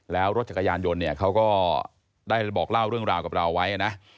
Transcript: แล้วรถจักรยานยนต์เนี่ยเขาก็ได้บอกเล่าเรื่องราวกับเราไว้นะ